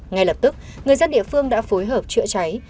ngay lập tức người dân địa phương đã phối hợp chữa cháy